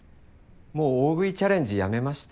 もう大食いチャレンジやめました。